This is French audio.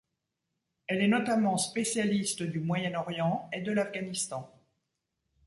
Elle est notamment spécialiste du Moyen-Orient et de l'Afghanistan.